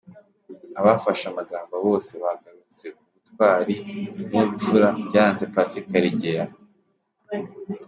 Abafashe amagambo bose bagarutse k’ubutwari n’ubupfura byaranze Patrick Karegeya.